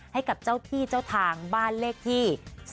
ให้กับเจ้าที่เจ้าทางบ้านเลขที่